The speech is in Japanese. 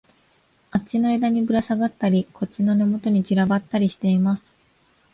あっちの枝にぶらさがったり、こっちの根元に散らばったりしています